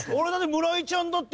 村井ちゃんだって鉄道ね。